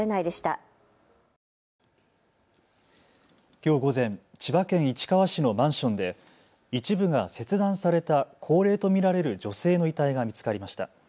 きょう午前、千葉県市川市のマンションで一部が切断された高齢と見られる女性の遺体が見つかりました。